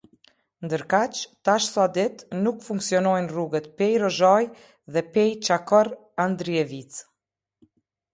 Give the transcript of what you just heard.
Ndërkaq, tash sa ditë nuk funksionojnë rrugët Pejë-Rozhajë dhe Pejë Qakorr-Andrijevicë.